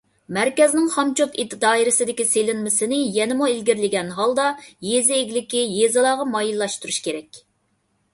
مەركەزنىڭ خامچوت دائىرىسىدىكى سېلىنمىسىنى يەنىمۇ ئىلگىرىلىگەن ھالدا يېزا ئىگىلىكى، يېزىلارغا مايىللاشتۇرۇش كېرەك.